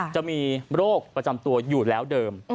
จะมีโรคประจำตัวอยู่แล้วเดิม